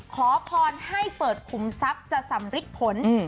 ขอพรให้เปิดขุมทรัพย์จะสำริดผล